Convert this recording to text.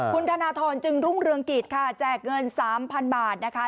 คุณธนทรจึงรุ่งเรืองกิจค่ะแจกเงิน๓๐๐๐บาทนะคะ